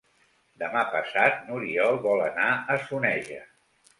Demà passat n'Oriol vol anar a Soneja.